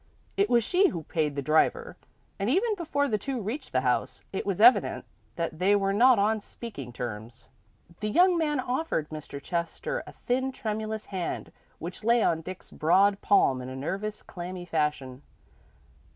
It was she who paid the driver, and even before the two reached the house, it was evident that they were not on speaking terms. The young man offered Mr. Chester a thin, tremulous hand which lay on Dick's broad palm in a nerveless, clammy fashion.